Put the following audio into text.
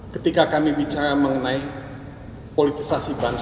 ketika kami bicara mengenai politisasi bangsa